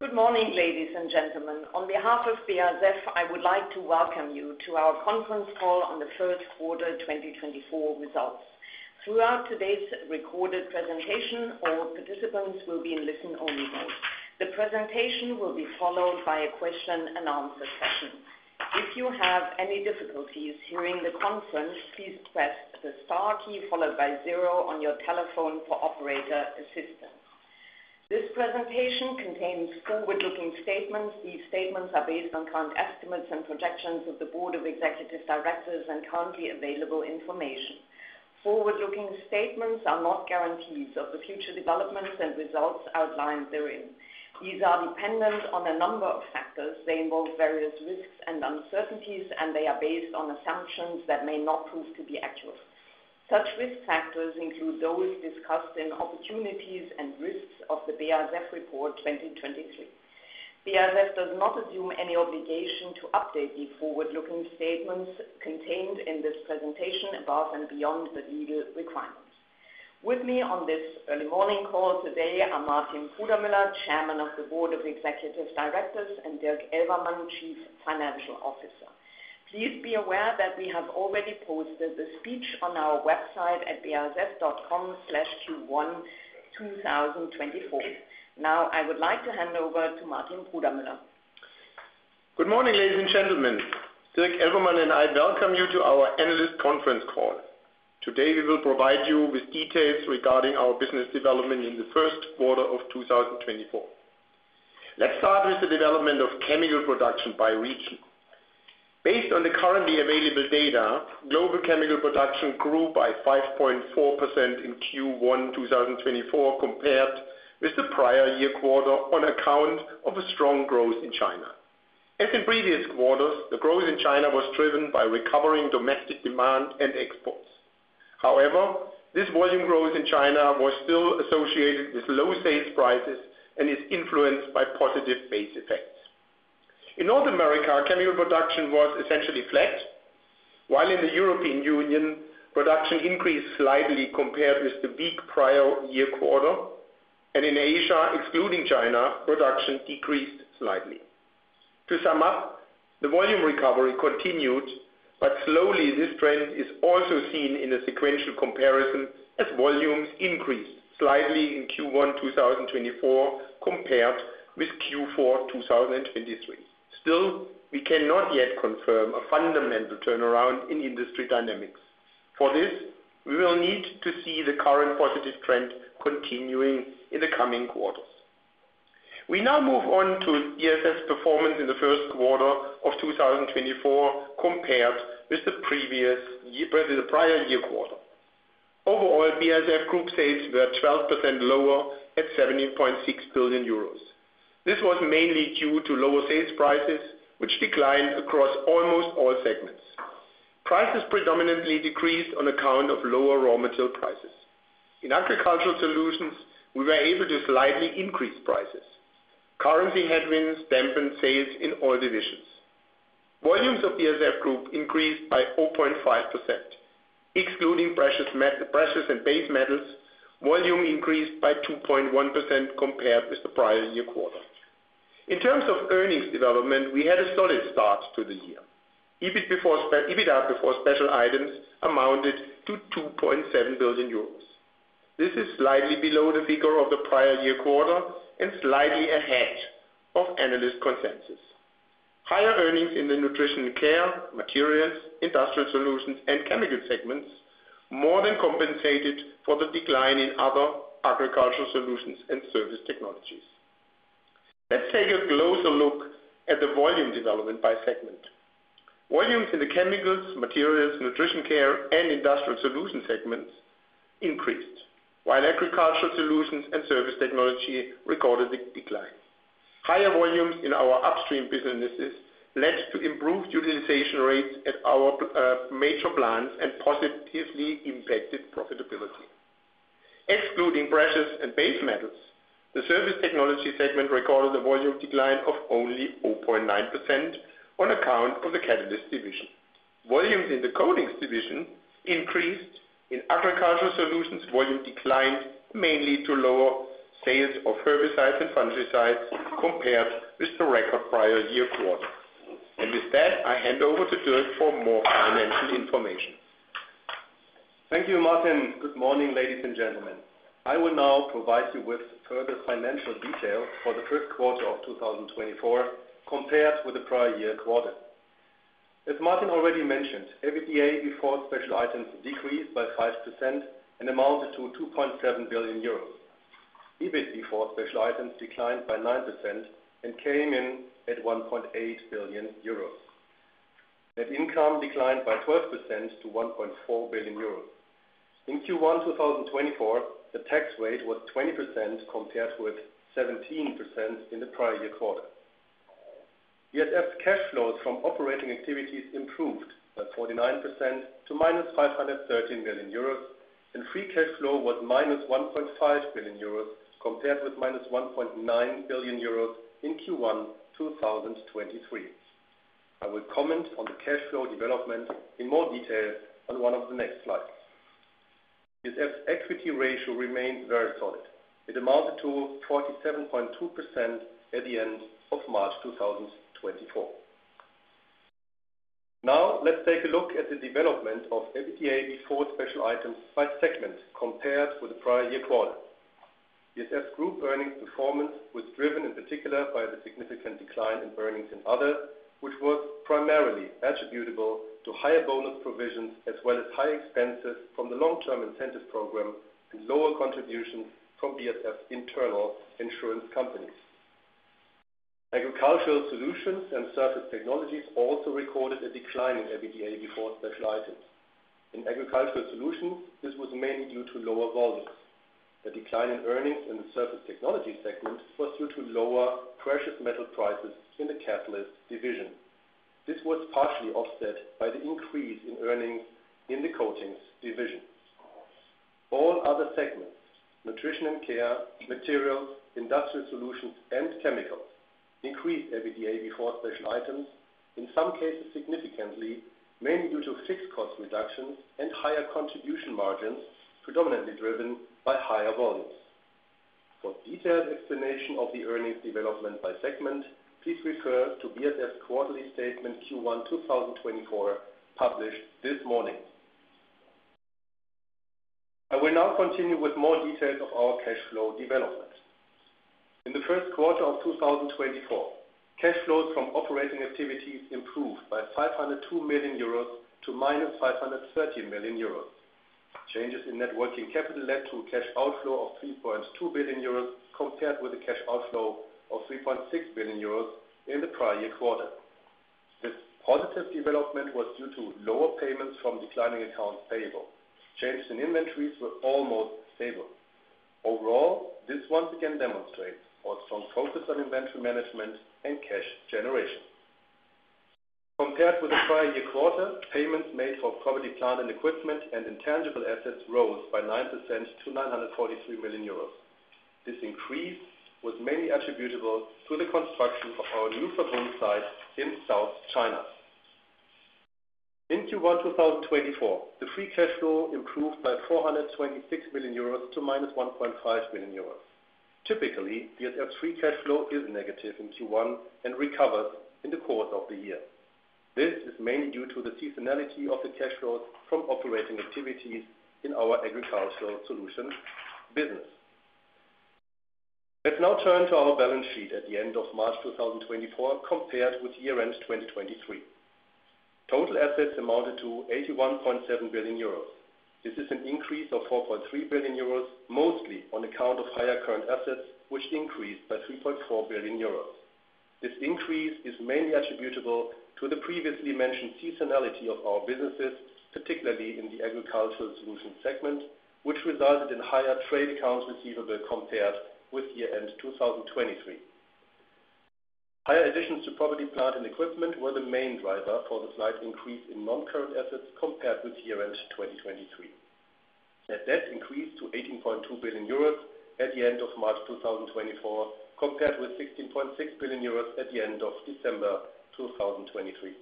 Good morning, ladies and gentlemen. On behalf of BASF, I would like to welcome you to our conference call on the first quarter 2024 results. Throughout today's recorded presentation, all participants will be in listen-only mode. The presentation will be followed by a question-and-answer session. If you have any difficulties hearing the conference, please press the star key followed by zero on your telephone for operator assistance. This presentation contains forward-looking statements. These statements are based on current estimates and projections of the Board of Executive Directors and currently available information. Forward-looking statements are not guarantees of the future developments and results outlined therein. These are dependent on a number of factors. They involve various risks and uncertainties, and they are based on assumptions that may not prove to be accurate. Such risk factors include those discussed in Opportunities and Risks of the BASF Report 2023. BASF does not assume any obligation to update the forward-looking statements contained in this presentation above and beyond the legal requirements. With me on this early morning call today are Martin Brudermüller, Chairman of the Board of Executive Directors, and Dirk Elvermann, Chief Financial Officer. Please be aware that we have already posted the speech on our website at basf.com/q1/2024. Now I would like to hand over to Martin Brudermüller. Good morning, ladies and gentlemen. Dirk Elvermann and I welcome you to our analyst conference call. Today we will provide you with details regarding our business development in the first quarter of 2024. Let's start with the development of chemical production by region. Based on the currently available data, global chemical production grew by 5.4% in Q1 2024 compared with the prior year quarter on account of a strong growth in China. As in previous quarters, the growth in China was driven by recovering domestic demand and exports. However, this volume growth in China was still associated with low sales prices and is influenced by positive base effects. In North America, chemical production was essentially flat, while in the European Union, production increased slightly compared with the prior year quarter, and in Asia, excluding China, production decreased slightly. To sum up, the volume recovery continued, but slowly this trend is also seen in a sequential comparison as volumes increased slightly in Q1 2024 compared with Q4 2023. Still, we cannot yet confirm a fundamental turnaround in industry dynamics. For this, we will need to see the current positive trend continuing in the coming quarters. We now move on to BASF performance in the first quarter of 2024 compared with the prior year quarter. Overall, BASF Group sales were 12% lower at 17.6 billion euros. This was mainly due to lower sales prices, which declined across almost all segments. Prices predominantly decreased on account of lower raw material prices. In Agricultural Solutions, we were able to slightly increase prices. Currency headwinds dampened sales in all divisions. Volumes of BASF Group increased by 0.5%. Excluding precious and base metals, volume increased by 2.1% compared with the prior year quarter. In terms of earnings development, we had a solid start to the year. EBITDA before special items amounted to 2.7 billion euros. This is slightly below the figure of the prior year quarter and slightly ahead of analyst consensus. Higher earnings in the Nutrition & Care, Materials, Industrial Solutions, and Chemicals segments more than compensated for the decline in other Agricultural Solutions and Surface Technologies. Let's take a closer look at the volume development by segment. Volumes in the Chemicals, Materials, Nutrition & Care, and Industrial Solution segments increased, while Agricultural Solutions and Surface Technologies recorded a decline. Higher volumes in our upstream businesses led to improved utilization rates at our major plants and positively impacted profitability. Excluding precious and base metals, the Surface Technologies segment recorded a volume decline of only 0.9% on account of the Catalysts division. Volumes in the Coatings division increased. In Agricultural Solutions, volume declined mainly to lower sales of herbicides and fungicides compared with the record prior year quarter. With that, I hand over to Dirk for more financial information. Thank you, Martin. Good morning, ladies and gentlemen. I will now provide you with further financial details for the first quarter of 2024 compared with the prior year quarter. As Martin already mentioned, EBITDA before special items decreased by 5% and amounted to 2.7 billion euros. EBIT before special items declined by 9% and came in at 1.8 billion euros. Net income declined by 12% to 1.4 billion euros. In Q1 2024, the tax rate was 20% compared with 17% in the prior year quarter. BASF's cash flows from operating activities improved by 49% to 513 million euros, and free cash flow was 1.5 billion euros compared with 1.9 billion euros in Q1 2023. I will comment on the cash flow development in more detail on one of the next slides. BASF's equity ratio remains very solid. It amounted to 47.2% at the end of March 2024. Now let's take a look at the development of EBITDA before special items by segment compared with the prior year quarter. BASF Group earnings performance was driven in particular by the significant decline in earnings in Other, which was primarily attributable to higher bonus provisions as well as high expenses from the long-term incentive program and lower contributions from BASF's internal insurance companies. Agricultural Solutions and Surface Technologies also recorded a decline in EBITDA before special items. In Agricultural Solutions, this was mainly due to lower volumes. The decline in earnings in the Surface Technologies segment was due to lower precious metal prices in the Catalysts division. This was partially offset by the increase in earnings in the Coatings division. All other segments, Nutrition & Care, Materials, Industrial Solutions, and Chemicals, increased EBITDA before special items, in some cases significantly, mainly due to fixed cost reductions and higher contribution margins predominantly driven by higher volumes. For detailed explanation of the earnings development by segment, please refer to BASF's quarterly statement Q1 2024 published this morning. I will now continue with more details of our cash flow development. In the first quarter of 2024, cash flows from operating activities improved by 502 million euros to 513 million euros. Changes in net working capital led to a cash outflow of 3.2 billion euros compared with a cash outflow of 3.6 billion euros in the prior year quarter. This positive development was due to lower payments from declining accounts payable. Changes in inventories were almost stable. Overall, this once again demonstrates our strong focus on inventory management and cash generation. Compared with the prior year quarter, payments made for property, plant, and equipment and intangible assets rose by 9% to 943 million euros. This increase was mainly attributable to the construction of our new Verbund site in South China. In Q1 2024, the free cash flow improved by 426 million euros to 1.5 billion euros. Typically, BASF's free cash flow is negative in Q1 and recovers in the course of the year. This is mainly due to the seasonality of the cash flows from operating activities in our Agricultural Solutions business. Let's now turn to our balance sheet at the end of March 2024 compared with year-end 2023. Total assets amounted to 81.7 billion euros. This is an increase of 4.3 billion euros, mostly on account of higher current assets, which increased by 3.4 billion euros. This increase is mainly attributable to the previously mentioned seasonality of our businesses, particularly in the Agricultural Solutions segment, which resulted in higher trade accounts receivable compared with year-end 2023. Higher additions to property, plant, and equipment were the main driver for the slight increase in non-current assets compared with year-end 2023. Net debt increased to 18.2 billion euros at the end of March 2024 compared with 16.6 billion euros at the end of December 2023.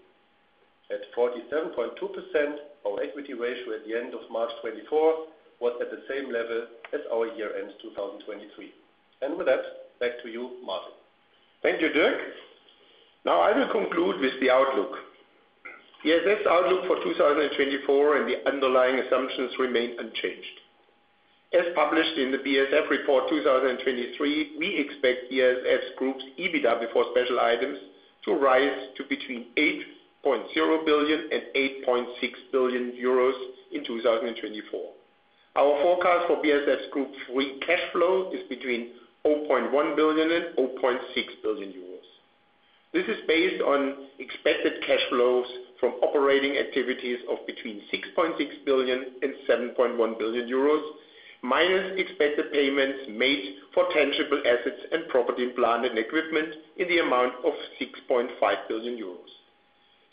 At 47.2%, our equity ratio at the end of March 2024 was at the same level as our year-end 2023. With that, back to you, Martin. Thank you, Dirk. Now I will conclude with the outlook. BASF's outlook for 2024 and the underlying assumptions remain unchanged. As published in the BASF report 2023, we expect BASF Group's EBITDA before special items to rise to between 8.0 billion and 8.6 billion euros in 2024. Our forecast for BASF Group free cash flow is between 0.1 billion and 0.6 billion euros. This is based on expected cash flows from operating activities of between 6.6 billion and 7.1 billion euros, minus expected payments made for tangible assets and property, plant, and equipment in the amount of 6.5 billion euros.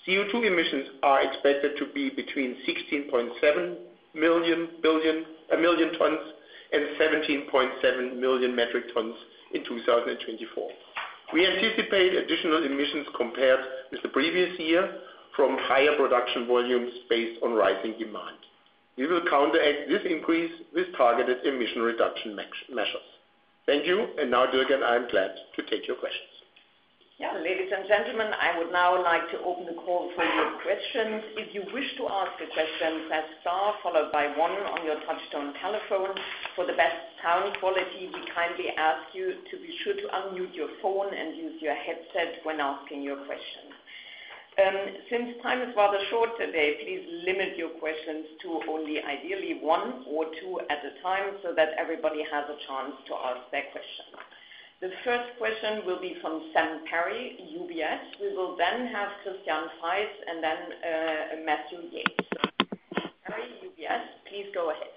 CO2 emissions are expected to be between 16.7 million metric tons and 17.7 million metric tons in 2024. We anticipate additional emissions compared with the previous year from higher production volumes based on rising demand. We will counteract this increase with targeted emission reduction measures. Thank you. Now, Dirk and I are glad to take your questions. Yeah. Ladies and gentlemen, I would now like to open the call for your questions. If you wish to ask a question, press star followed by one on your touch-tone telephone. For the best sound quality, we kindly ask you to be sure to unmute your phone and use your headset when asking your questions. Since time is rather short today, please limit your questions to only ideally one or two at a time so that everybody has a chance to ask their question. The first question will be from Sam Perry, UBS. We will then have Christian Faitz and then Matthew Yates. Sam Perry, UBS, please go ahead.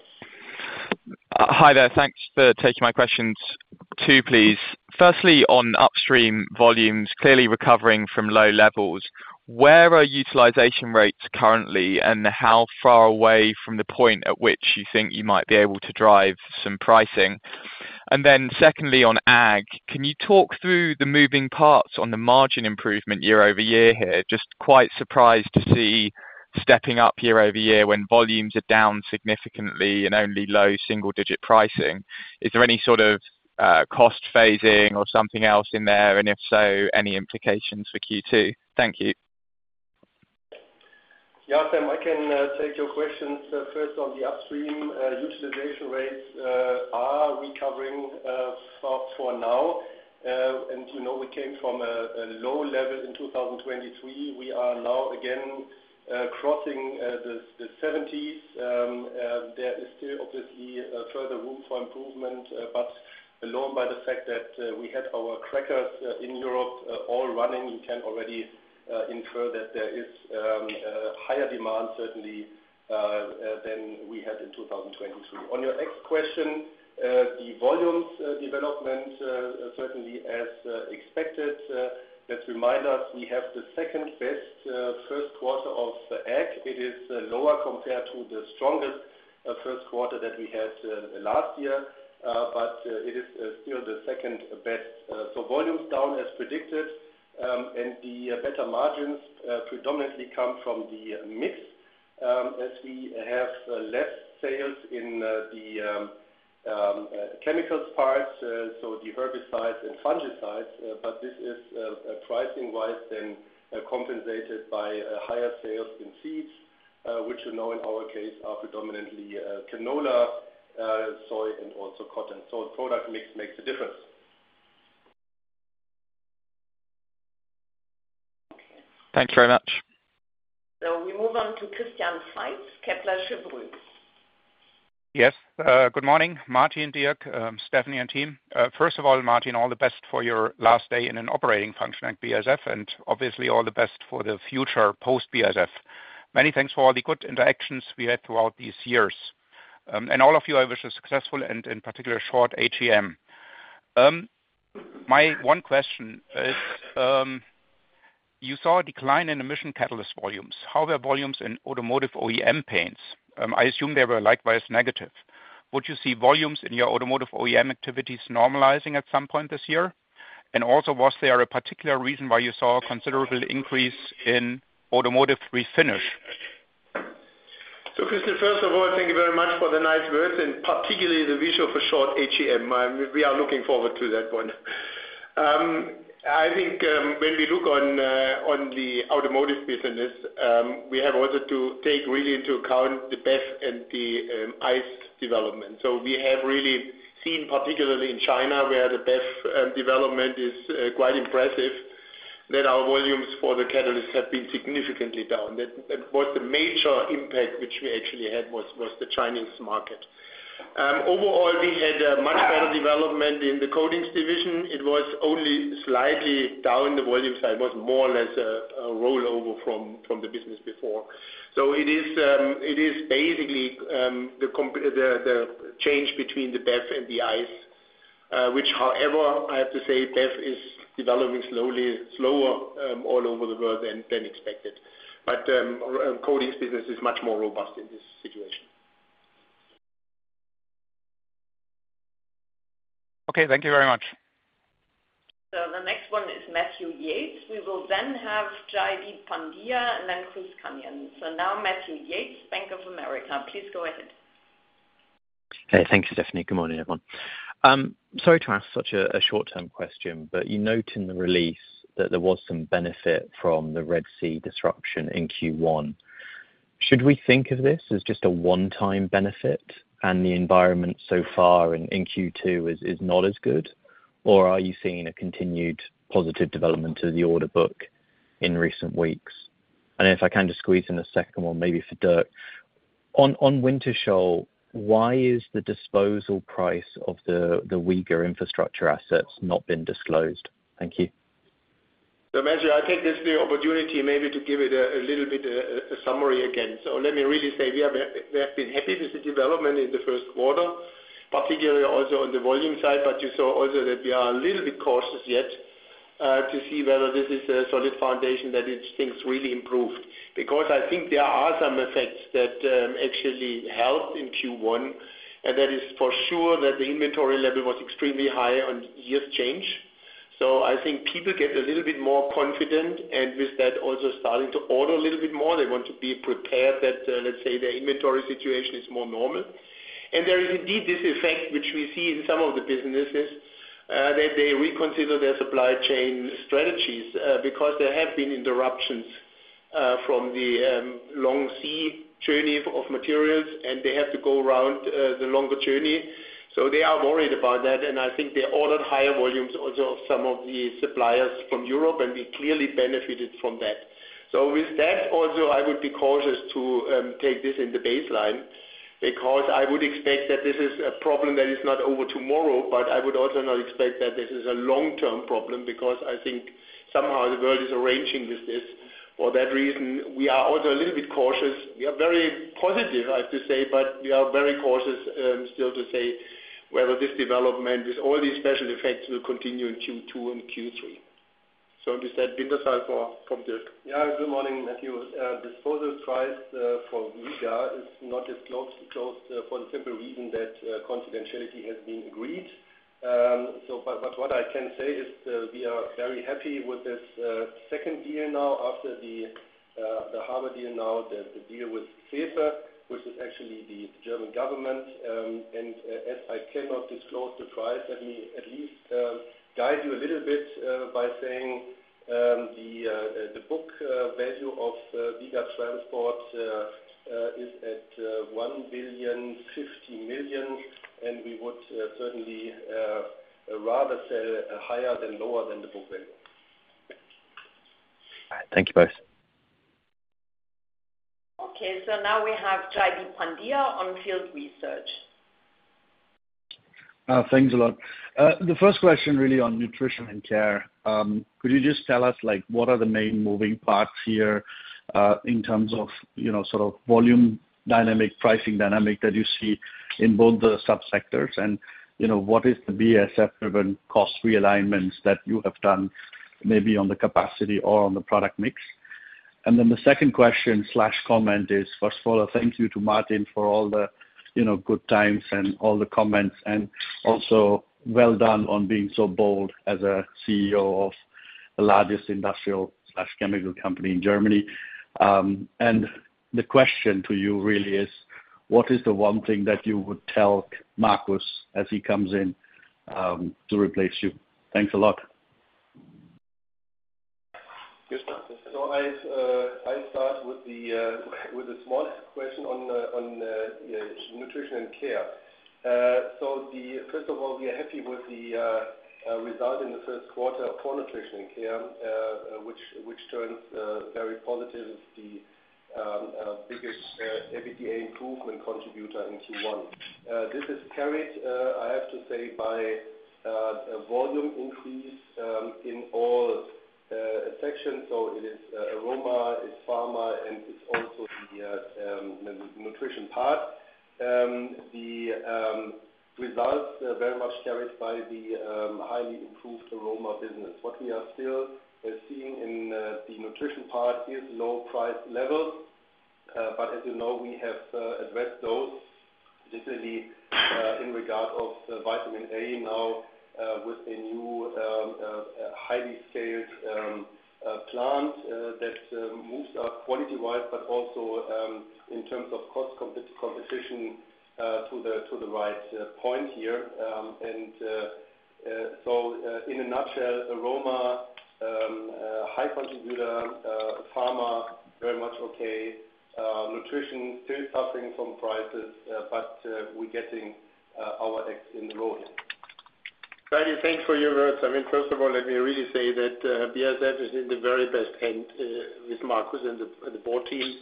Hi there. Thanks for taking my questions two, please. Firstly, on upstream volumes clearly recovering from low levels, where are utilization rates currently, and how far away from the point at which you think you might be able to drive some pricing? And then secondly, on ag, can you talk through the moving parts on the margin improvement year-over-year here? Just quite surprised to see stepping up year-over-year when volumes are down significantly and only low single-digit pricing. Is there any sort of cost phasing or something else in there? And if so, any implications for Q2? Thank you. Yeah, Sam. I can take your questions. First, on the upstream, utilization rates are recovering for now. We came from a low level in 2023. We are now again crossing the 70s. There is still, obviously, further room for improvement. But alone by the fact that we had our crackers in Europe all running, you can already infer that there is higher demand, certainly, than we had in 2023. On your next question, the volumes development certainly as expected. Let's remind us, we have the second-best first quarter of ag. It is lower compared to the strongest first quarter that we had last year. But it is still the second-best. So volume's down as predicted. And the better margins predominantly come from the mix as we have less sales in the chemicals parts, so the herbicides and fungicides. But this is pricing-wise then compensated by higher sales in seeds, which you know in our case are predominantly canola, soy, and also cotton. So the product mix makes a difference. Okay. Thanks very much. We move on to Christian Faitz, Kepler Cheuvreux. Yes. Good morning, Martin and Dirk, Stefanie and team. First of all, Martin, all the best for your last day in an operating function at BASF and obviously all the best for the future post-BASF. Many thanks for all the good interactions we had throughout these years. And all of you, I wish a successful and in particular short AGM. My one question is, you saw a decline in emission Catalysts volumes. How were volumes in automotive OEM paints? I assume they were likewise negative. Would you see volumes in your automotive OEM activities normalizing at some point this year? And also, was there a particular reason why you saw a considerable increase in automotive refinish? So Christian, first of all, thank you very much for the nice words and particularly the visual for short AGM. We are looking forward to that one. I think when we look on the automotive business, we have also to take really into account the BEV and the ICE development. So we have really seen, particularly in China where the BEV development is quite impressive, that our volumes for the Catalysts have been significantly down. Most of the major impact which we actually had was the Chinese market. Overall, we had a much better development in the Coatings division. It was only slightly down the volume side. It was more or less a rollover from the business before. So it is basically the change between the BEV and the ICE, which, however, I have to say, BEV is developing slower all over the world than expected. But Coatings business is much more robust in this situation. Okay. Thank you very much. So the next one is Matthew Yates. We will then have Jaideep Pandya and then Chris Counihan. So now Matthew Yates, Bank of America. Please go ahead. Okay. Thanks, Stefanie. Good morning, everyone. Sorry to ask such a short-term question, but you note in the release that there was some benefit from the Red Sea disruption in Q1. Should we think of this as just a one-time benefit and the environment so far in Q2 is not as good, or are you seeing a continued positive development of the order book in recent weeks? And if I can just squeeze in a second one, maybe for Dirk. On Wintershall, why is the disposal price of the WIGA infrastructure assets not been disclosed? Thank you. So Matthew, I take this new opportunity maybe to give it a little bit of a summary again. So let me really say, we have been happy with the development in the first quarter, particularly also on the volume side. But you saw also that we are a little bit cautious yet to see whether this is a solid foundation that things really improved. Because I think there are some effects that actually helped in Q1, and that is for sure that the inventory level was extremely high on year's change. So I think people get a little bit more confident and with that also starting to order a little bit more. They want to be prepared that, let's say, their inventory situation is more normal. There is indeed this effect which we see in some of the businesses that they reconsider their supply chain strategies because there have been interruptions from the long sea journey of materials, and they have to go around the longer journey. They are worried about that. I think they ordered higher volumes also of some of the suppliers from Europe, and we clearly benefited from that. With that also, I would be cautious to take this in the baseline because I would expect that this is a problem that is not over tomorrow. I would also not expect that this is a long-term problem because I think somehow the world is arranging with this. For that reason, we are also a little bit cautious. We are very positive, I have to say, but we are very cautious still to say whether this development with all these special effects will continue in Q2 and Q3. So with that, Wintershall from Dirk. Yeah. Good morning, Matthew. Disposal price for WIGA is not disclosed for the simple reason that confidentiality has been agreed. But what I can say is we are very happy with this second deal now after the Harbour deal now, the deal with SEFE, which is actually the German government. And as I cannot disclose the price, let me at least guide you a little bit by saying the book value of WIGA Transport is at 1.5 billion, and we would certainly rather sell higher than lower than the book value. All right. Thank you both. Okay. So now we have Jaideep Pandya, On Field Research. Thanks a lot. The first question really on Nutrition & Care. Could you just tell us what are the main moving parts here in terms of sort of volume dynamic, pricing dynamic that you see in both the subsectors? And what is the BASF-driven cost realignments that you have done maybe on the capacity or on the product mix? And then the second question/comment is, first of all, a thank you to Martin for all the good times and all the comments. And also, well done on being so bold as a CEO of the largest industrial/chemical company in Germany. And the question to you really is, what is the one thing that you would tell Markus as he comes in to replace you? Thanks a lot. Good start, So I start with the smallest question on Nutrition & Care. So first of all, we are happy with the result in the first quarter for Nutrition & Care, which turns very positive as the biggest EBITDA improvement contributor in Q1. This is carried, I have to say, by volume increase in all sections. So it is aroma, it's pharma, and it's also the nutrition part. The results are very much carried by the highly improved aroma business. What we are still seeing in the nutrition part is low price levels. But as you know, we have addressed those, particularly in regard of vitamin A now with a new highly scaled plant that moves up quality-wise but also in terms of cost competition to the right point here. And so in a nutshell, aroma, high contributor, pharma, very much okay. Nutrition still suffering from prices, but we're getting our X in the road here. Thank you. Thanks for your words. I mean, first of all, let me really say that BASF is in the very best hands with Markus and the board team.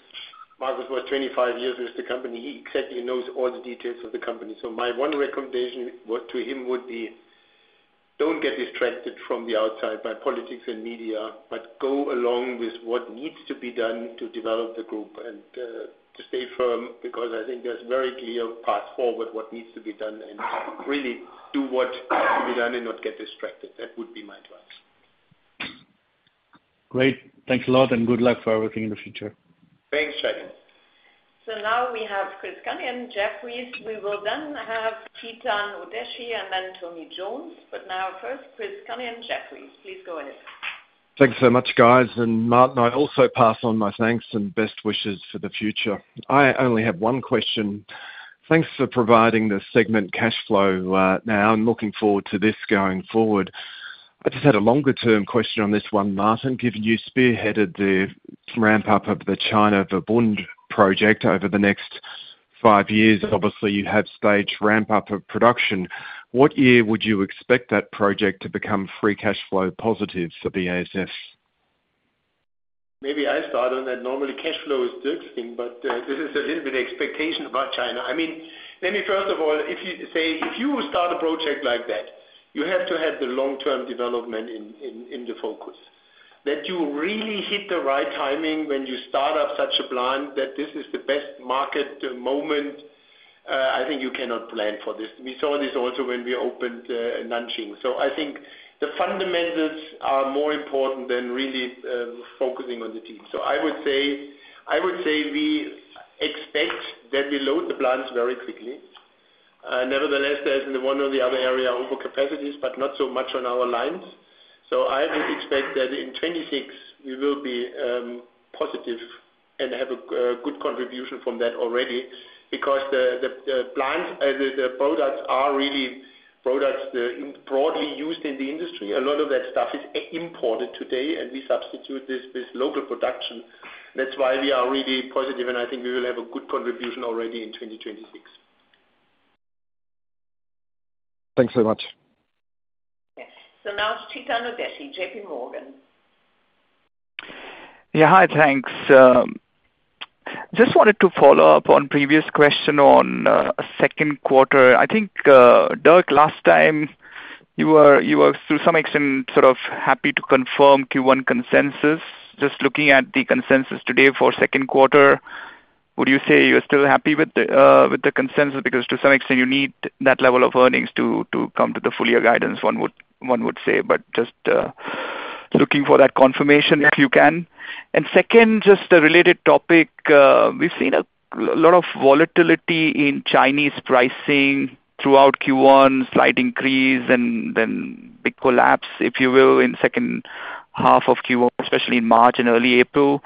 Markus worked 25 years with the company. He exactly knows all the details of the company. So my one recommendation to him would be, don't get distracted from the outside by politics and media, but go along with what needs to be done to develop the group and to stay firm because I think there's a very clear path forward what needs to be done and really do what needs to be done and not get distracted. That would be my advice. Great. Thanks a lot and good luck for everything in the future. Thanks, Jaideep. So now we have Chris Counihan, Jefferies. We will then have Chetan Udeshi and then Tony Jones. But now first, Chris Counihan, Jefferies. Please go ahead. Thanks so much, guys. And Martin, I also pass on my thanks and best wishes for the future. I only have one question. Thanks for providing the segment cash flow now and looking forward to this going forward. I just had a longer-term question on this one, Martin, given you spearheaded the ramp-up of the China Verbund project over the next five years. Obviously, you have staged ramp-up of production. What year would you expect that project to become free cash flow positive for BASF? Maybe I start on that. Normally, cash flow is Dirk's thing, but this is a little bit of expectation about China. I mean, let me first of all, if you say if you start a project like that, you have to have the long-term development in the focus, that you really hit the right timing when you start up such a plan, that this is the best market moment. I think you cannot plan for this. We saw this also when we opened Nanjing. So I think the fundamentals are more important than really focusing on the team. So I would say we expect that we load the plants very quickly. Nevertheless, there's one or the other area overcapacities, but not so much on our lines. So I would expect that in 2026, we will be positive and have a good contribution from that already because the plants and the products are really products broadly used in the industry. A lot of that stuff is imported today, and we substitute this with local production. That's why we are really positive, and I think we will have a good contribution already in 2026. Thanks so much. Yes. So now it's Chetan Udeshi, JPMorgan. Yeah. Hi. Thanks. Just wanted to follow up on previous question on second quarter. I think, Dirk, last time, you were to some extent sort of happy to confirm Q1 consensus. Just looking at the consensus today for second quarter, would you say you're still happy with the consensus because to some extent, you need that level of earnings to come to the full-year guidance, one would say, but just looking for that confirmation if you can. And second, just a related topic, we've seen a lot of volatility in Chinese pricing throughout Q1, slight increase, and then big collapse, if you will, in second half of Q1, especially in March and early April.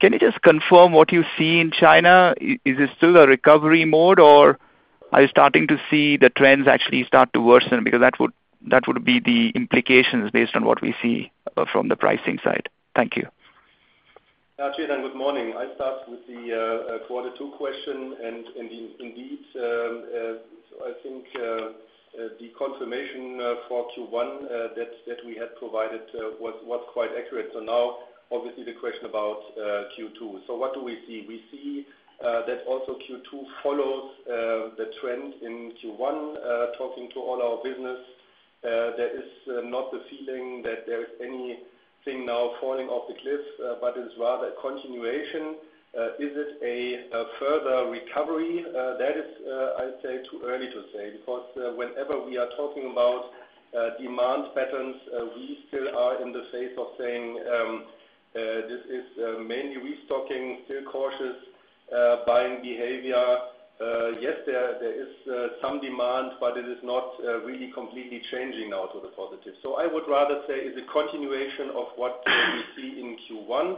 Can you just confirm what you see in China? Is it still a recovery mode, or are you starting to see the trends actually start to worsen? Because that would be the implications based on what we see from the pricing side. Thank you. Yeah. Cheers and good morning. I start with the quarter two question. Indeed, I think the confirmation for Q1 that we had provided was quite accurate. Now, obviously, the question about Q2. What do we see? We see that also Q2 follows the trend in Q1. Talking to all our business, there is not the feeling that there is anything now falling off the cliff, but it's rather a continuation. Is it a further recovery? That is, I'd say, too early to say because whenever we are talking about demand patterns, we still are in the phase of saying this is mainly restocking, still cautious, buying behavior. Yes, there is some demand, but it is not really completely changing now to the positive. I would rather say it's a continuation of what we see in Q1.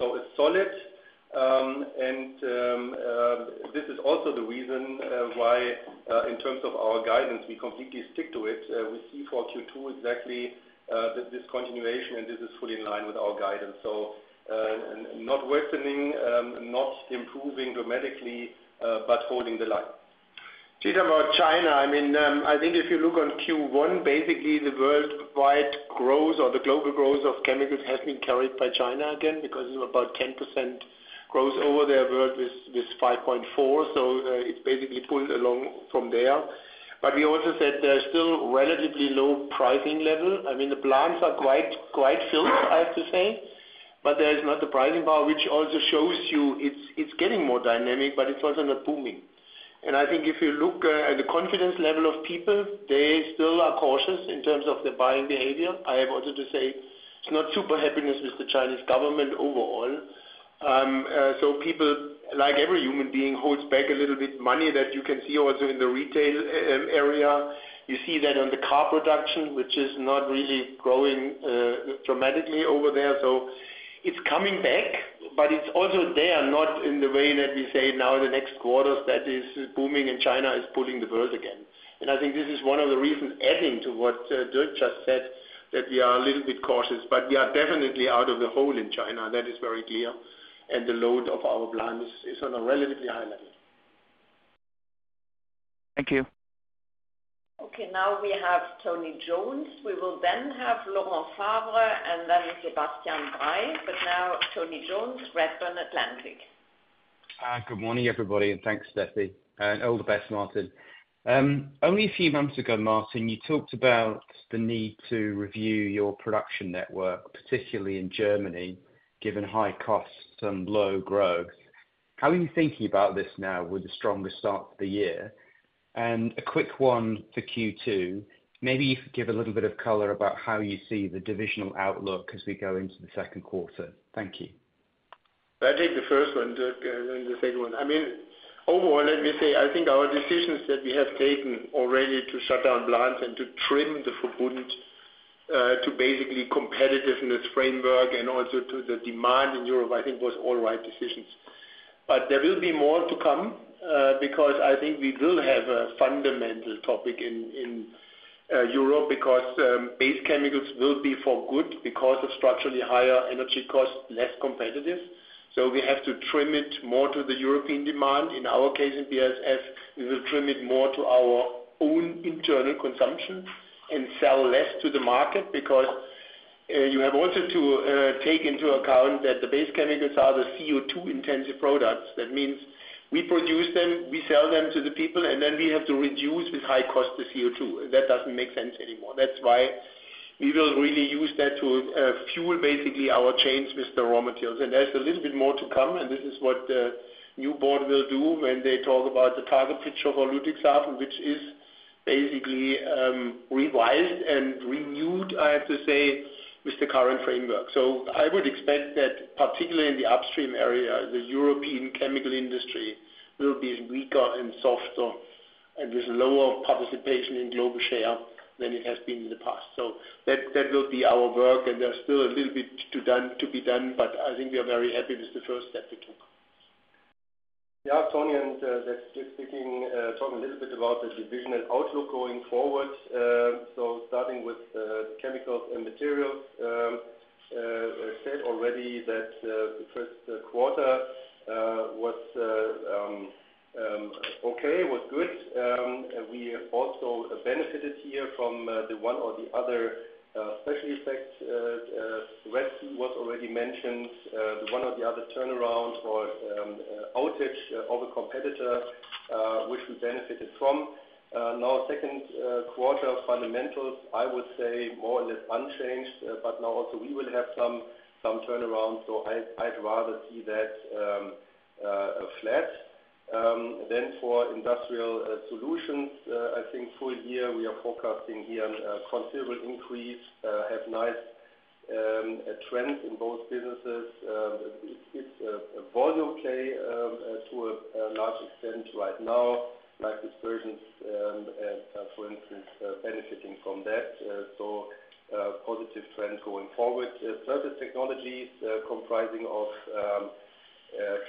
It's solid. This is also the reason why, in terms of our guidance, we completely stick to it. We see for Q2 exactly this continuation, and this is fully in line with our guidance. Not worsening, not improving dramatically, but holding the line. Cheers about China. I mean, I think if you look on Q1, basically, the worldwide growth or the global growth of chemicals has been carried by China again because about 10% growth over their world with 5.4. So it's basically pulled along from there. But we also said there's still relatively low pricing level. I mean, the plants are quite filled, I have to say, but there is not the pricing power, which also shows you it's getting more dynamic, but it's also not booming. And I think if you look at the confidence level of people, they still are cautious in terms of their buying behavior. I have also to say it's not super happiness with the Chinese government overall. So people, like every human being, hold back a little bit money that you can see also in the retail area. You see that on the car production, which is not really growing dramatically over there. So it's coming back, but it's also there, not in the way that we say now the next quarters that is booming and China is pulling the world again. And I think this is one of the reasons, adding to what Dirk just said, that we are a little bit cautious, but we are definitely out of the hole in China. That is very clear. And the load of our plants is on a relatively high level. Thank you. Okay. Now we have Tony Jones. We will then have Laurent Favre and then Sebastian Bray. But now Tony Jones, Redburn Atlantic. Good morning, everybody. Thanks, Steffy. All the best, Martin. Only a few months ago, Martin, you talked about the need to review your production network, particularly in Germany, given high costs and low growth. How are you thinking about this now with the stronger start to the year? And a quick one for Q2. Maybe you could give a little bit of color about how you see the divisional outlook as we go into the second quarter. Thank you. I'll take the first one, Dirk, and then the second one. I mean, overall, let me say, I think our decisions that we have taken already to shut down plants and to trim the footprint to basically competitiveness framework and also to the demand in Europe, I think, was all right decisions. But there will be more to come because I think we will have a fundamental topic in Europe because base chemicals will be for good because of structurally higher energy costs, less competitive. So we have to trim it more to the European demand. In our case in BASF, we will trim it more to our own internal consumption and sell less to the market because you have also to take into account that the base chemicals are the CO2-intensive products. That means we produce them, we sell them to the people, and then we have to reduce with high cost the CO2. That doesn't make sense anymore. That's why we will really use that to fuel, basically, our chains with the raw materials. There's a little bit more to come. This is what the new board will do when they talk about the target picture for Ludwigshafen, which is basically revised and renewed, I have to say, with the current framework. So I would expect that, particularly in the upstream area, the European chemical industry will be weaker and softer and with lower participation in global share than it has been in the past. That will be our work. There's still a little bit to be done, but I think we are very happy with the first step we took. Yeah. Tony, and that's Dirk talking a little bit about the divisional outlook going forward. So starting with Chemicals and Materials, I said already that the first quarter was okay, was good. We also benefited here from the one or the other special effects. Red Sea was already mentioned, the one or the other turnaround or outage of a competitor, which we benefited from. Now, second quarter fundamentals, I would say more or less unchanged, but now also we will have some turnaround. So I'd rather see that flat. Then for Industrial Solutions, I think full year, we are forecasting here a considerable increase, have nice trends in both businesses. It's a volume play to a large extent right now, like dispersions, for instance, benefiting from that. So positive trend going forward. Surface Technologies comprising of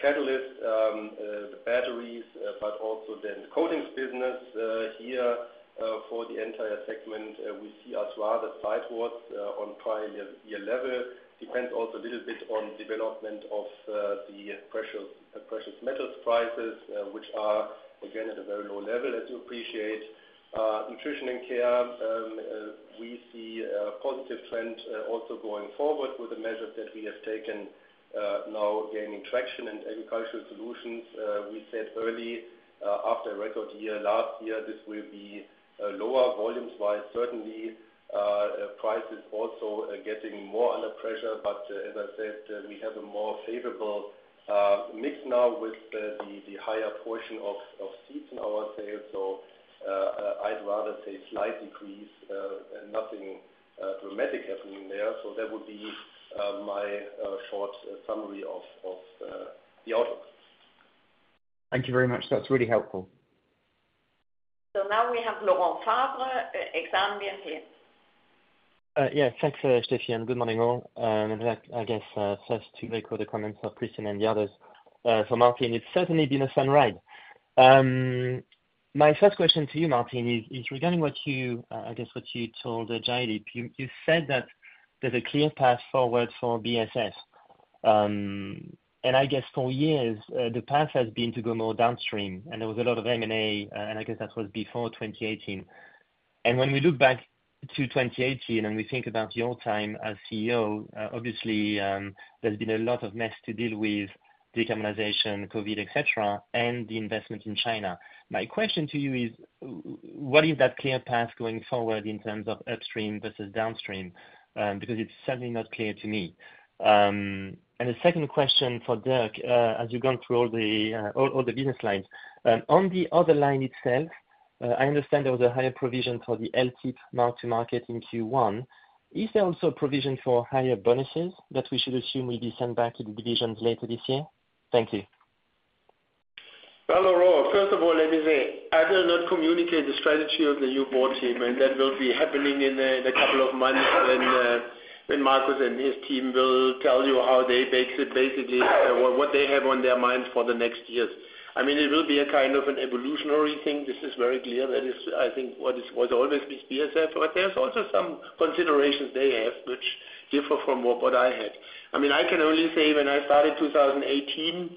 Catalysts, the batteries, but also then the Coatings business here for the entire segment, we see us rather sidewards on prior year level. Depends also a little bit on development of the precious metals prices, which are, again, at a very low level, as you appreciate. Nutrition & Care, we see a positive trend also going forward with the measures that we have taken now gaining traction. And Agricultural Solutions, we said early after record year last year, this will be lower volumes-wise, certainly. Prices also getting more under pressure. But as I said, we have a more favorable mix now with the higher portion of seeds in our sales. So I'd rather say slight decrease, nothing dramatic happening there. So that would be my short summary of the outlook. Thank you very much. That's really helpful. So now we have Laurent Favre from BNP Paribas Exane. Yeah. Thanks, Stefanie. Good morning, all. I guess first to record the comments of Christian and the others. So Martin, it's certainly been a fun ride. My first question to you, Martin, is regarding what you I guess what you told Jaideep, you said that there's a clear path forward for BASF. And I guess for years, the path has been to go more downstream. And there was a lot of M&A, and I guess that was before 2018. And when we look back to 2018 and we think about your time as CEO, obviously, there's been a lot of mess to deal with, decarbonization, COVID, etc., and the investment in China. My question to you is, what is that clear path going forward in terms of upstream versus downstream? Because it's certainly not clear to me. The second question for Dirk, as you've gone through all the business lines, on the other line itself, I understand there was a higher provision for the LTIP mark-to-market in Q1. Is there also a provision for higher bonuses that we should assume will be sent back to the divisions later this year? Thank you. Well, Laurent, first of all, let me say, I do not communicate the strategy of the new board team. And that will be happening in a couple of months when Markus and his team will tell you how they basically what they have on their minds for the next years. I mean, it will be a kind of an evolutionary thing. This is very clear. That is, I think, what has always been BASF. But there's also some considerations they have which differ from what I had. I mean, I can only say when I started 2018,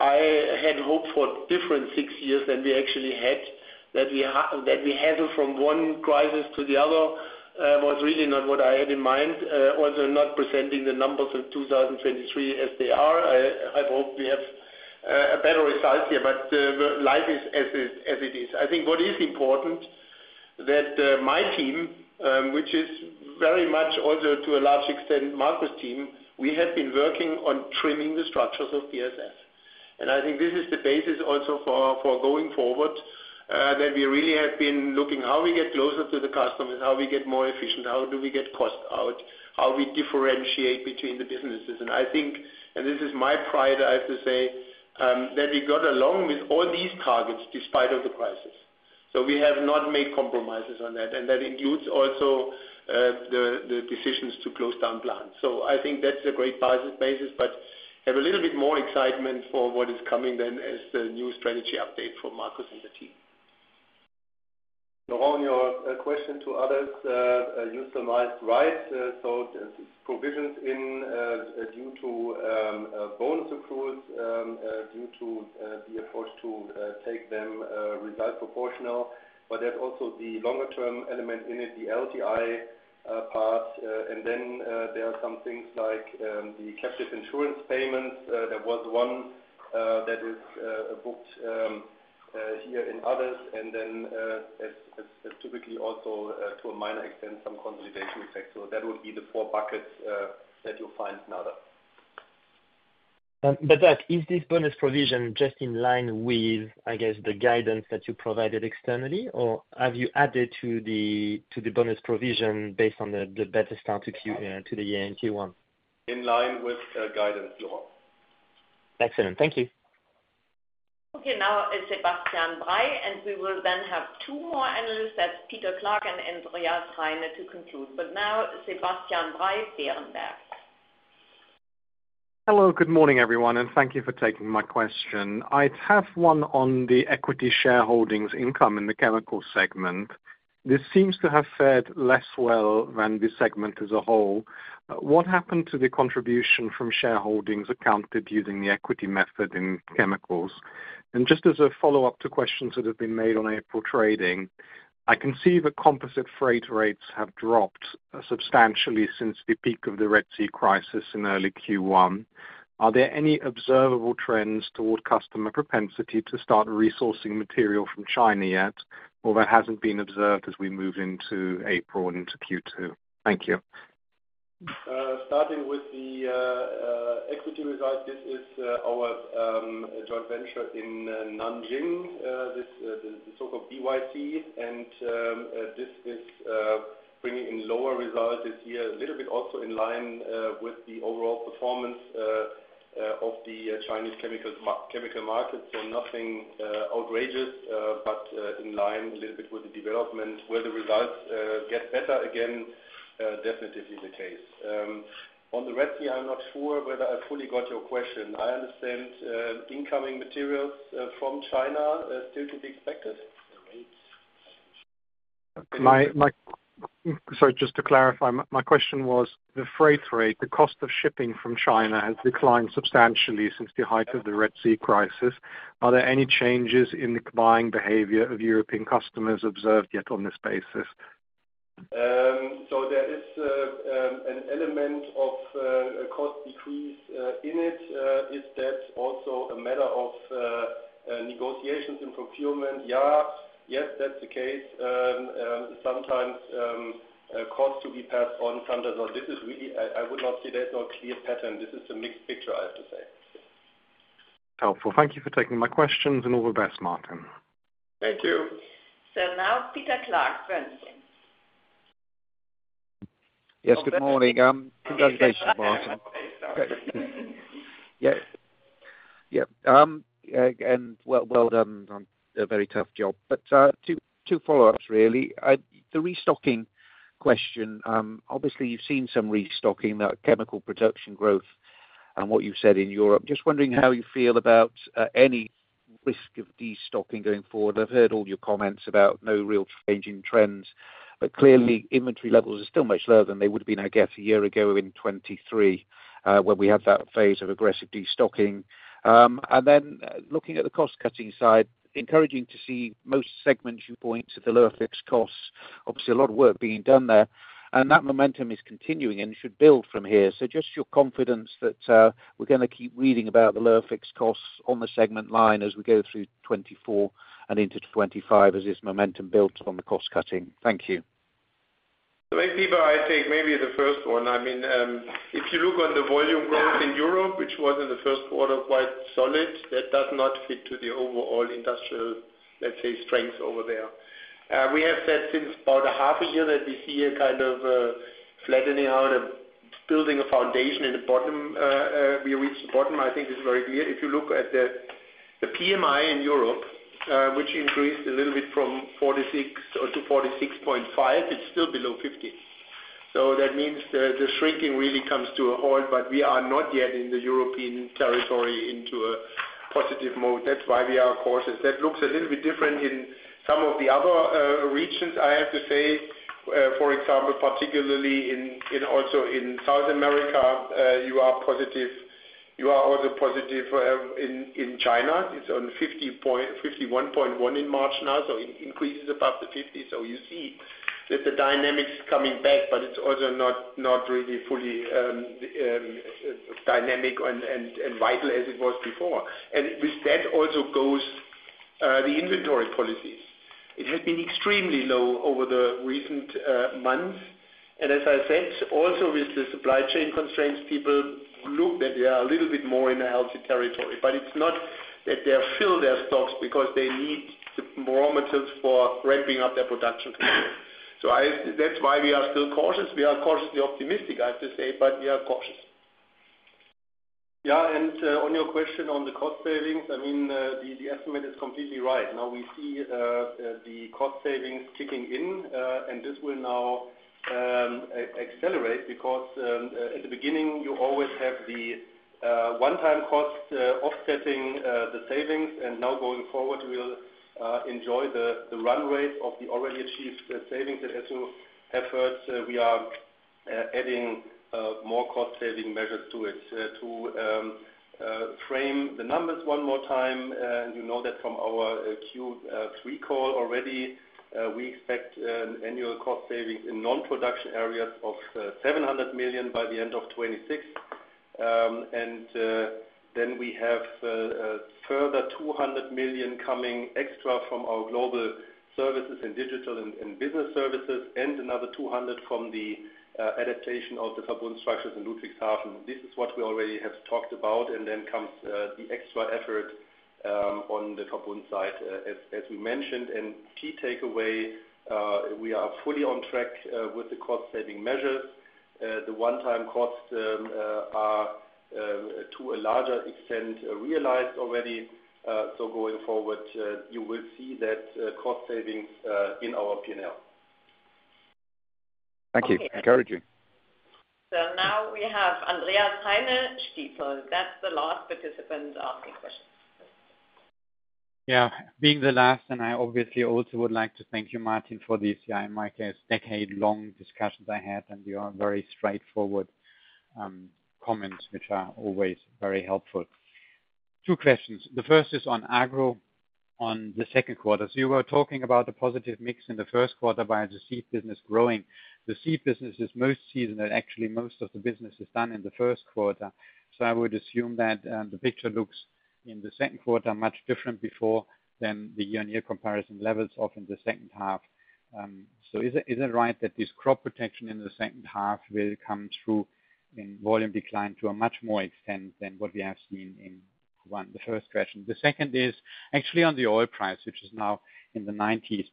I had hoped for different six years than we actually had. That we hassle from one crisis to the other was really not what I had in mind. Also not presenting the numbers of 2023 as they are. I hope we have a better result here, but life is as it is. I think what is important that my team, which is very much also to a large extent Markus' team, we have been working on trimming the structures of BASF. I think this is the basis also for going forward. That we really have been looking how we get closer to the customers, how we get more efficient, how do we get cost out, how we differentiate between the businesses. I think, and this is my pride, I have to say, that we got along with all these targets despite of the crisis. We have not made compromises on that. That includes also the decisions to close down plants. I think that's a great basis, but have a little bit more excitement for what is coming then as the new strategy update from Markus and the team. Laurent, your question to others, you summarized right. So, provisions due to bonus accruals due to the approach to take them result proportional. But there's also the longer-term element in it, the LTI part. And then there are some things like the captive insurance payments. There was one that is booked here in others. And then, as typically also to a minor extent, some consolidation effect. So that would be the four buckets that you'll find in others. But Dirk, is this bonus provision just in line with, I guess, the guidance that you provided externally, or have you added to the bonus provision based on the better start to the year in Q1? In line with guidance, Laurent. Excellent. Thank you. Okay. Now is Sebastian Bray. And we will then have two more analysts, that's Peter Clark and Andreas Heine, to conclude. But now Sebastian Bray, Berenberg. Hello. Good morning, everyone. And thank you for taking my question. I have one on the equity shareholdings income in the chemical segment. This seems to have fared less well than the segment as a whole. What happened to the contribution from shareholdings accounted using the equity method in chemicals? And just as a follow-up to questions that have been made on April trading, I can see that composite freight rates have dropped substantially since the peak of the Red Sea crisis in early Q1. Are there any observable trends toward customer propensity to start resourcing material from China yet, or that hasn't been observed as we move into April and into Q2? Thank you. Starting with the equity result, this is our joint venture in Nanjing, the so-called BYC. This is bringing in lower results this year, a little bit also in line with the overall performance of the Chinese chemical market. Nothing outrageous, but in line a little bit with the development. Will the results get better again? Definitely the case. On the Red Sea, I'm not sure whether I fully got your question. I understand incoming materials from China still to be expected. Great. I appreciate it. Sorry, just to clarify, my question was, the freight rate, the cost of shipping from China has declined substantially since the height of the Red Sea crisis. Are there any changes in the buying behavior of European customers observed yet on this basis? So there is an element of cost decrease in it. Is that also a matter of negotiations in procurement? Yeah. Yes, that's the case. Sometimes costs to be passed on sometimes. So this is really. I would not say there's no clear pattern. This is a mixed picture, I have to say. Helpful. Thank you for taking my questions. All the best, Martin. Thank you. Now Peter Clark, Bernstein. Yes. Good morning. Congratulations, Martin. Thank you. Sorry. Yeah. Yeah. And well done. Very tough job. But two follow-ups, really. The restocking question, obviously, you've seen some restocking, that chemical production growth and what you've said in Europe. Just wondering how you feel about any risk of destocking going forward. I've heard all your comments about no real changing trends. But clearly, inventory levels are still much lower than they would have been, I guess, a year ago in 2023 when we had that phase of aggressive destocking. And then looking at the cost-cutting side, encouraging to see most segments, you point, at the lower fixed costs. Obviously, a lot of work being done there. And that momentum is continuing and should build from here. Just your confidence that we're going to keep reading about the lower fixed costs on the segment line as we go through 2024 and into 2025 as this momentum builds on the cost-cutting. Thank you. The main feedback, I think, maybe the first one. I mean, if you look on the volume growth in Europe, which was in the first quarter quite solid, that does not fit to the overall industrial, let's say, strength over there. We have said since about a half a year that we see a kind of flattening out, building a foundation in the bottom. We reached the bottom. I think this is very clear. If you look at the PMI in Europe, which increased a little bit from 46 to 46.5, it's still below 50. So that means the shrinking really comes to a halt. But we are not yet in the European territory into a positive mode. That's why we are, of course. That looks a little bit different in some of the other regions, I have to say. For example, particularly also in South America, you are also positive in China. It's on 51.1 in March now, so increases above the 50. So you see that the dynamic's coming back, but it's also not really fully dynamic and vital as it was before. And with that also goes the inventory policies. It has been extremely low over the recent months. And as I said, also with the supply chain constraints, people look that they are a little bit more in a healthy territory. But it's not that they fill their stocks because they need the barometers for ramping up their production control. So that's why we are still cautious. We are cautiously optimistic, I have to say, but we are cautious. Yeah. And on your question on the cost savings, I mean, the estimate is completely right. Now we see the cost savings kicking in. This will now accelerate because at the beginning, you always have the one-time cost offsetting the savings. Now going forward, you will enjoy the run rate of the already achieved savings. As you have heard, we are adding more cost-saving measures to it to frame the numbers one more time. You know that from our Q3 call already, we expect annual cost savings in non-production areas of 700 million by the end of 2026. Then we have further 200 million coming extra from our global services and digital and business services and another 200 million from the adaptation of the Verbund structures in Ludwigshafen. This is what we already have talked about. Then comes the extra effort on the Verbund side, as we mentioned. Key takeaway, we are fully on track with the cost-saving measures. The one-time costs are to a larger extent realized already. So going forward, you will see that cost savings in our P&L. Thank you. Encourage you. Now we have Andreas Heine, Stifel. That's the last participant asking questions. Yeah. Being the last, and I obviously also would like to thank you, Martin, for these, in my case, decade-long discussions I had. And your very straightforward comments, which are always very helpful. Two questions. The first is on agro on the second quarter. So you were talking about a positive mix in the first quarter by the seed business growing. The seed business is most seasonal. Actually, most of the business is done in the first quarter. So I would assume that the picture looks in the second quarter much different before than the year-on-year comparison levels of in the second half. So is it right that this crop protection in the second half will come through in volume decline to a much more extent than what we have seen in Q1? The first question. The second is actually on the oil price, which is now in the 90s.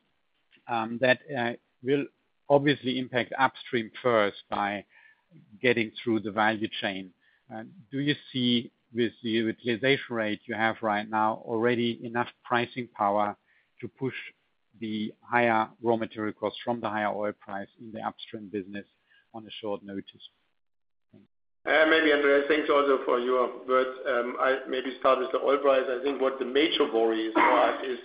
That will obviously impact upstream first by getting through the value chain. Do you see with the utilization rate you have right now already enough pricing power to push the higher raw material costs from the higher oil price in the upstream business on a short notice? Maybe, Andreas. Thanks also for your words. I maybe start with the oil price. I think what the major worry is for us is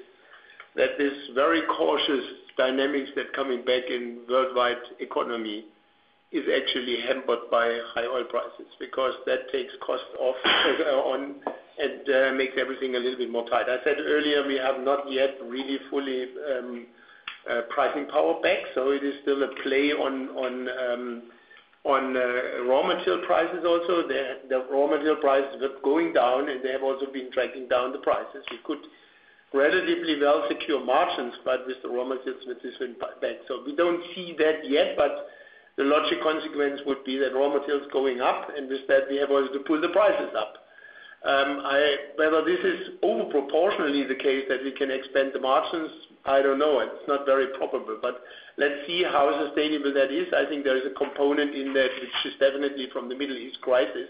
that this very cautious dynamics that's coming back in worldwide economy is actually hampered by high oil prices because that takes costs off and makes everything a little bit more tight. I said earlier, we have not yet really fully pricing power back. So it is still a play on raw material prices also. The raw material prices were going down, and they have also been dragging down the prices. We could relatively well secure margins, but with the raw materials, this went back. So we don't see that yet. But the logic consequence would be that raw materials going up, and with that, we have also to pull the prices up. Whether this is overproportionately the case that we can expand the margins, I don't know. It's not very probable. But let's see how sustainable that is. I think there is a component in that, which is definitely from the Middle East crisis,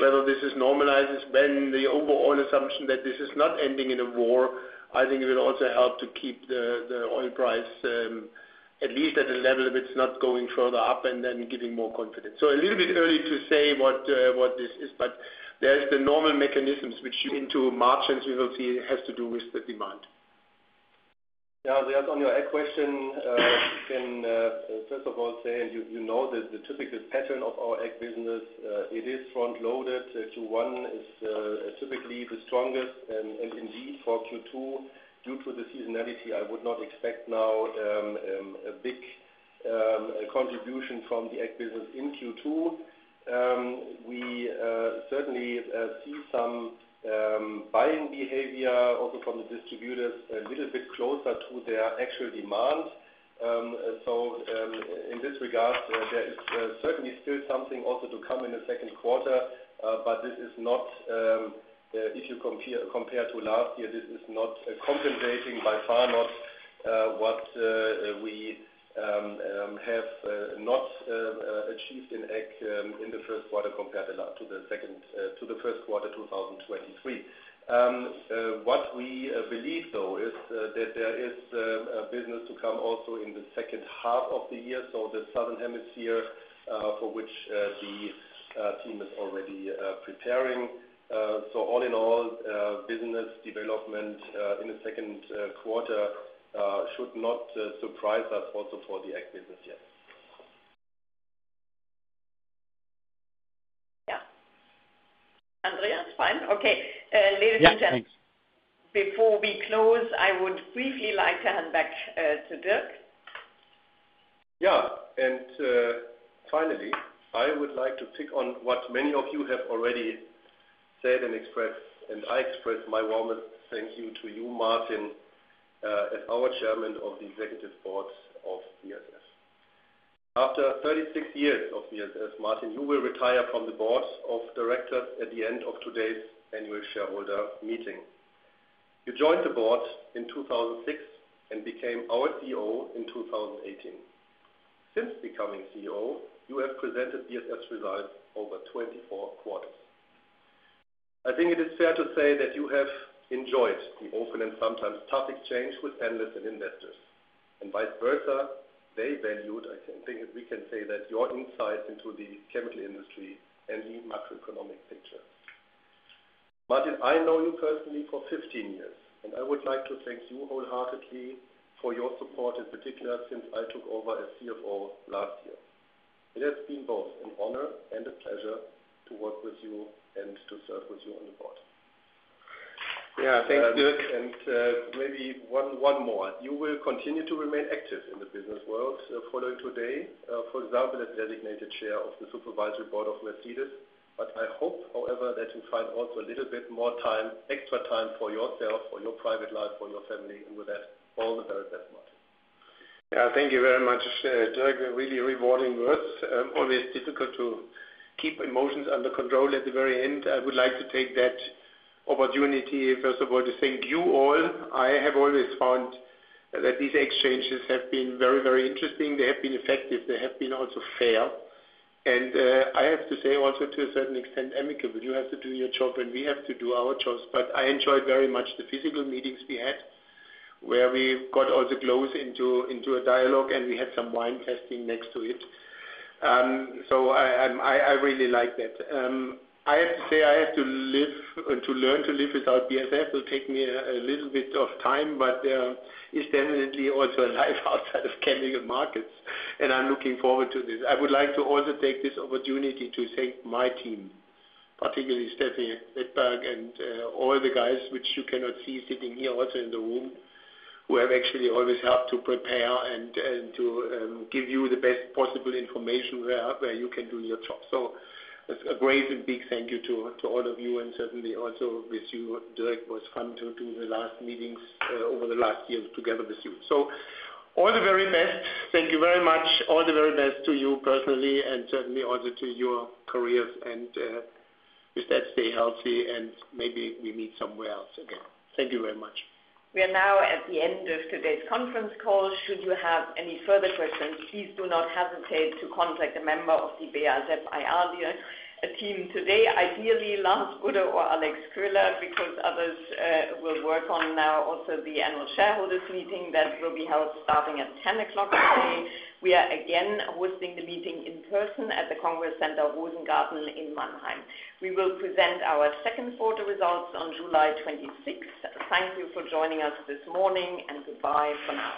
whether this normalises when the overall assumption that this is not ending in a war, I think it will also help to keep the oil price at least at a level if it's not going further up and then giving more confidence. So a little bit early to say what this is. But there's the normal mechanisms, which into margins, we will see it has to do with the demand. Yeah. Andreas, on your ag question, I can first of all say, and you know the typical pattern of our ag business, it is front-loaded. Q1 is typically the strongest. Indeed, for Q2, due to the seasonality, I would not expect now a big contribution from the ag business in Q2. We certainly see some buying behaviour also from the distributors a little bit closer to their actual demand. So in this regard, there is certainly still something also to come in the second quarter. But this is not if you compare to last year, this is not compensating, by far not, what we have not achieved in ag in the first quarter compared to the first quarter 2023. What we believe, though, is that there is business to come also in the second half of the year. So the southern hemisphere. For which the team is already preparing. So all in all, business development in the second quarter should not surprise us also for the ag business yet. Yeah. Andreas, fine. Okay. Ladies and gents, before we close, I would briefly like to hand back to Dirk. Yeah. And finally, I would like to pick up on what many of you have already said and expressed, and I express my warmest thank you to you, Martin, as our Chairman of the Board of Executive Directors of BASF. After 36 years of BASF, Martin, you will retire from the Board of Executive Directors at the end of today's annual shareholder meeting. You joined the board in 2006 and became our CEO in 2018. Since becoming CEO, you have presented BASF's results over 24 quarters. I think it is fair to say that you have enjoyed the open and sometimes tough exchange with analysts and investors. And vice versa, they valued, I think we can say, that your insights into the chemical industry and the macroeconomic picture. Martin, I know you personally for 15 years. I would like to thank you wholeheartedly for your support, in particular since I took over as CFO last year. It has been both an honor and a pleasure to work with you and to serve with you on the board. Yeah. Thanks, Dirk. And maybe one more. You will continue to remain active in the business world following today. For example, as designated chair of the Supervisory Board of Mercedes. But I hope, however, that you find also a little bit more time, extra time for yourself, for your private life, for your family. And with that, all the very best, Martin. Yeah. Thank you very much, Dirk. Really rewarding words. Always difficult to keep emotions under control at the very end. I would like to take that opportunity, first of all, to thank you all. I have always found that these exchanges have been very, very interesting. They have been effective. They have been also fair. And I have to say also to a certain extent, amicable, but you have to do your job, and we have to do our jobs. But I enjoyed very much the physical meetings we had where we got also close into a dialogue, and we had some wine tasting next to it. So I really like that. I have to say I have to live and to learn to live without BASF. It'll take me a little bit of time. But it's definitely also a life outside of chemical markets. And I'm looking forward to this. I would like to also take this opportunity to thank my team, particularly Stefanie Wettberg and all the guys, which you cannot see, sitting here also in the room, who have actually always helped to prepare and to give you the best possible information where you can do your job. So a great and big thank you to all of you. And certainly also with you, Dirk, it was fun to do the last meetings over the last year together with you. So all the very best. Thank you very much. All the very best to you personally and certainly also to your careers. And with that, stay healthy. And maybe we meet somewhere else again. Thank you very much. We are now at the end of today's conference call. Should you have any further questions, please do not hesitate to contact a member of the BASF IRD team today, ideally Lars Budde or Alex Krüger, because others will work on now also the Annual Shareholders' Meeting that will be held starting at 10:00 A.M. today. We are again hosting the meeting in person at the Rosengarten Congress Center in Mannheim. We will present our second quarter results on July 26. Thank you for joining us this morning. Goodbye for now.